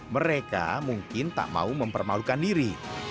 mereka mungkin tak mau mempermalukan diri